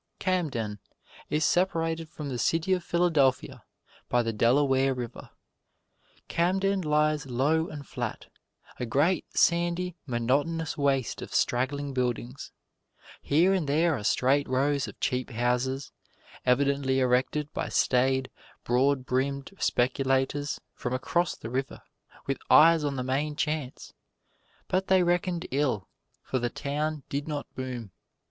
Camden is separated from the city of Philadelphia by the Delaware River. Camden lies low and flat a great, sandy, monotonous waste of straggling buildings. Here and there are straight rows of cheap houses, evidently erected by staid, broad brimmed speculators from across the river, with eyes on the main chance. But they reckoned ill, for the town did not boom.